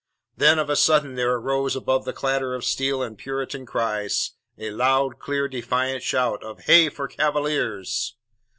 Then of a sudden there arose above the clatter of steel and Puritan cries, a loud, clear, defiant shout of 'Hey for Cavaliers!'"